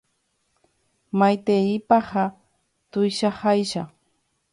Maiteipaha tuichaháicha.